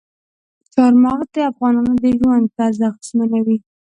چار مغز د افغانانو د ژوند طرز اغېزمنوي.